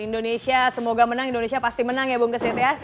indonesia semoga menang indonesia pasti menang ya bung kesit ya